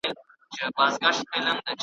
د غلا تعویذ .